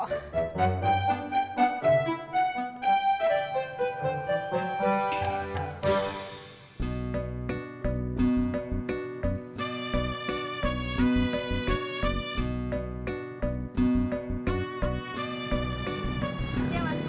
kalau gitu lauknya sama bihun pok